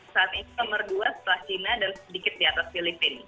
saat ini nomor dua setelah china dan sedikit di atas filipina